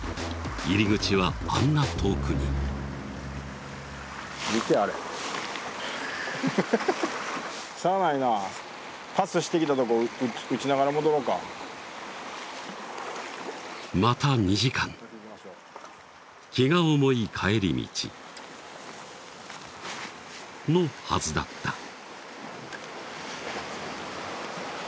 入り口はあんな遠くに見てあれしゃあないなあパスしてきたとこ打ちながら戻ろうかまた２時間気が重い帰り道のはずだった